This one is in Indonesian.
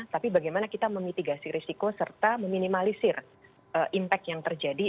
tapi bagaimana kita memitigasi risiko serta meminimalisir impact yang terjadi